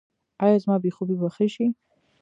ایا زما بې خوبي به ښه شي؟